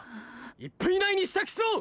１分以内に支度しろ！